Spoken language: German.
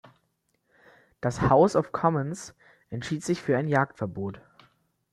Das House of Commons entschied sich für ein Jagdverbot.